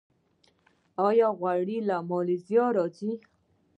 آیا غوړي له مالیزیا راځي؟